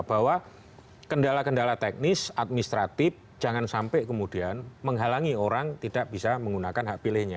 bahwa kendala kendala teknis administratif jangan sampai kemudian menghalangi orang tidak bisa menggunakan hak pilihnya